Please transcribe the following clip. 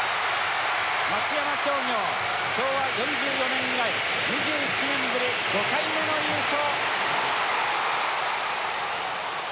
松山商業、昭和４４年以来２７年ぶり５回目の優勝。